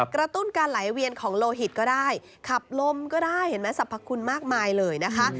กระตุ้นการไหลเวียนของโลหิตก็ได้ขับลมก็ได้เห็นไหมสรรพคุณมากมายเลยนะคะ